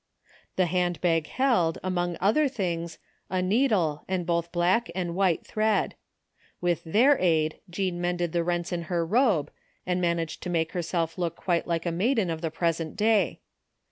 The handbag held, among other things, a needle and both black and white thread. With their aid Jean mended the rents in her robe, and managed to make herself look qufte like a maiden of the present day.